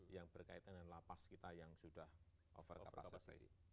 yang berkaitan dengan lapas kita yang sudah overcapas